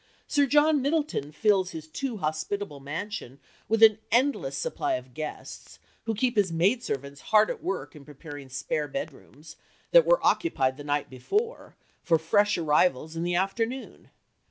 Sir John Middleton fills his too hospitable mansion with an endless supply of guests who keep his maid servants hard at work in preparing spare bedrooms, that were occupied the night before, for fresh arrivals in the afternoon.